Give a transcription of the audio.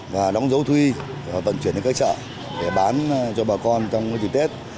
và đóng dấu thuy và vận chuyển đến các chợ để bán cho bà con trong dịp tết